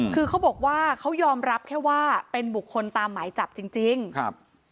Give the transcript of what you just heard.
คือเขาบอกว่าเขายอมรับแค่ว่าเป็นบุคคลตามหมายจับจริงจริงครับ